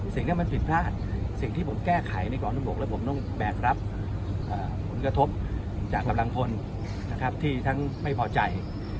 สิ่งที่มันผิดพลาดสิ่งที่ผมแก้ไขในกองทุนบกเลยผมต้องแบกรับผลกระทบจากกำลังพลนะครับที่ทั้งไม่พอใจ